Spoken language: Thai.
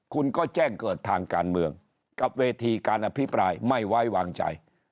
คุณก็แจ้งเกิดทางการเมืองกับเวทีการอภิปรายไม่ไว้วางใจ